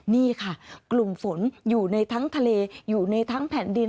นี่ค่ะกลุ่มฝนอยู่ในทั้งทะเลอยู่ในทั้งแผ่นดิน